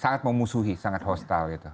sangat memusuhi sangat hostal gitu